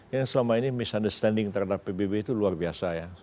yang selama ini mis understanding terhadap pbb itu luar biasa ya